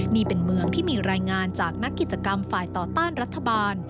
นี่เป็นเมืองที่มีรายงานจากนักกิจกรรมฝ่ายต่อต้านรัฐบาล